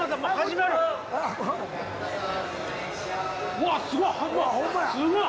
うわっすごい。